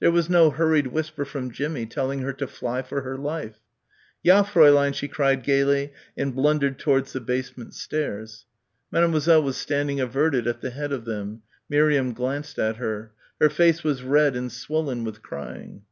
There was no hurried whisper from Jimmie telling her to "fly for her life." "Ja, Fräulein," she cried gaily and blundered towards the basement stairs. Mademoiselle was standing averted at the head of them; Miriam glanced at her. Her face was red and swollen with crying.